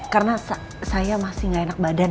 karena saya masih gak enak badan